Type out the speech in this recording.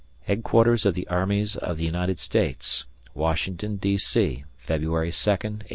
Headquarters of the Armies of the United States, Washington, D. C., Feb'y 2nd, 1866.